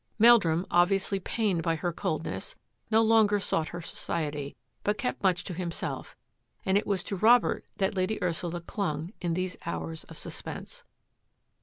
Meldrum, obviously pained by her cold ness, no longer sought her society, but kept much to himself, and it was to Robert that Lady Ursula clung in these hours of suspense.